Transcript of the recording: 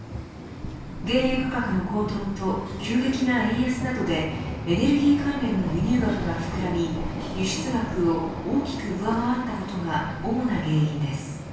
原油価格の高騰と急激な円安などでエネルギー関連の輸入額が膨らみ輸出額を大きく上回ったことが主な原因です。